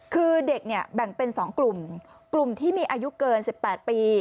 คือเด็กเนี่ยแบ่งเป็น๒กลุ่มกลุ่มที่มีอายุเกิน๑๘ปี